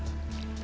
lo tenang aja men